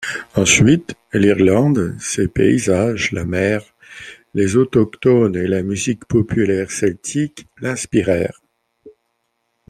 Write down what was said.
Ensuite, l'Irlande, ses paysages, la mer, les autochtones et la musique populaire celtique l'inspirèrent.